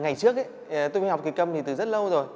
ngày trước tôi mới học kịch câm từ rất lâu rồi